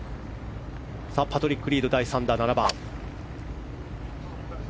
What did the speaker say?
パトリック・リード第３打、７番。